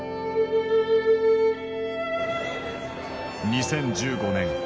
２０１５年。